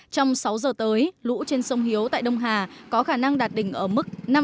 trong sáu giờ tới lũ trên sông hiếu tại đông hà có khả năng đạt đỉnh ở mức